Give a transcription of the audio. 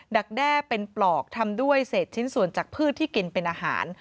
ักแด้เป็นปลอกทำด้วยเศษชิ้นส่วนจากพืชที่กินเป็นอาหาร